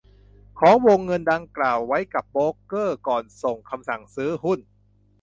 ของวงเงินดังกล่าวไว้กับโบรกเกอร์ก่อนส่งคำสั่งซื้อหุ้น